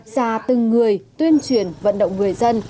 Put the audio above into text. xa từng người tuyên truyền vận động người dân